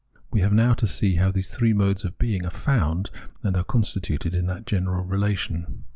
We have now to see how these three modes of its being are found and are constituted in that general relation.